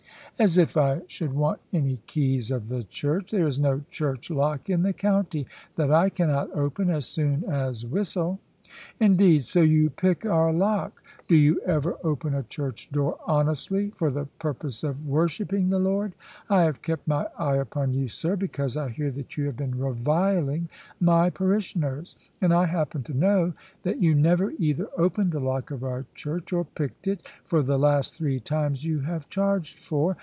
"As if I should want any keys of the church! There is no church lock in the county that I cannot open, as soon as whistle." "Indeed! So you pick our lock. Do you ever open a church door honestly, for the purpose of worshipping the Lord? I have kept my eye upon you, sir, because I hear that you have been reviling my parishioners. And I happen to know that you never either opened the lock of our church or picked it, for the last three times you have charged for.